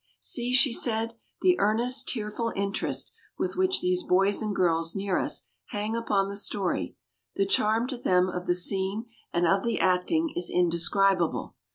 "See," she said, "the earnest, tearful interest with which these boys and girls near us hang upon the story. The charm to them of the scene and of the acting is indescribable.